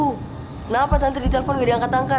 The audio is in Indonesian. kenapa tante di telepon gak diangkat angkat